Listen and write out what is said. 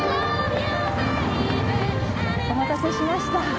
お待たせしました。